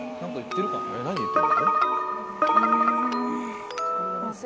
何言ってんの？